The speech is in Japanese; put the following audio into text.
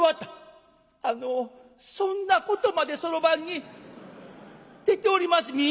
「あのそんなことまでそろばんに出ております？」。